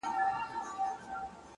شېخ د خړپا خبري پټي ساتي ـ